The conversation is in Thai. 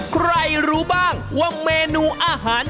ใครรู้บ้างว่าเมนูอาหาร